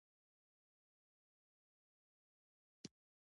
ډارېږي چې اولادونه به یې د هغې ټولنې رنګ خپل کړي.